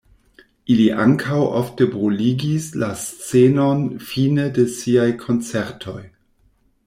Ili ankaŭ ofte bruligis la scenon fine de siaj koncertoj.